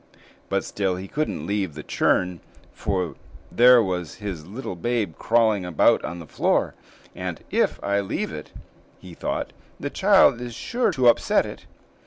But still he couldn't leave the churn, for there was his little babe crawling about on the floor, and "if I leave it," he thought, "the child is sure to upset it."